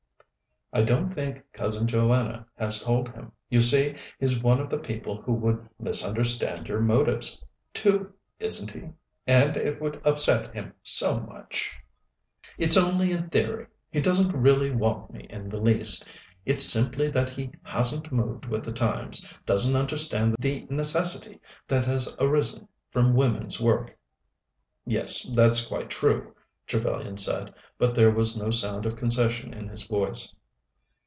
"I don't think Cousin Joanna has told him. You see, he's one of the people who would misunderstand your motives, too, isn't he? And it would upset him so much." "It's only in theory. He doesn't really want me in the least. It's simply that he hasn't moved with the times, doesn't understand the necessity that has arisen for women's work." "Yes, that's quite true," Trevellyan said, but there was no sound of concession in his voice.